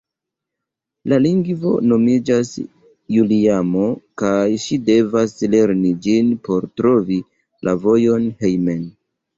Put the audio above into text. La lingvo nomiĝas Juliamo, kaj ŝi devas lerni ĝin por trovi la vojon hejmen.